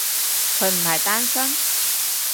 佢唔係單身？